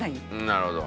なるほど。